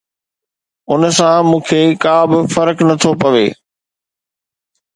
ان سان مون کي ڪا به فرق نه ٿو پوي